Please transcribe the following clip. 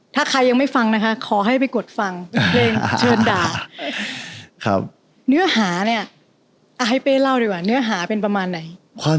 ถ้าใครยังไม่ฟังนะฮะขอให้ไปกดฟังเพลงเชิญด่า